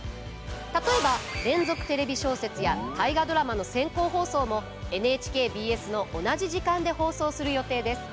例えば「連続テレビ小説」や「大河ドラマ」の先行放送もＮＨＫＢＳの同じ時間で放送する予定です。